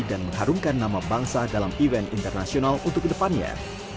dan mengharumkan nama bangsa dalam event internasional untuk ke depannya